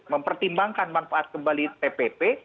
mempertimbangkan manfaat kembali tpp